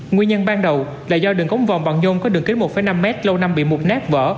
nguyên nhân ban đầu là do đường cống vòng bằng nhôm có đường kính một năm mét lâu năm bị mục nát vỡ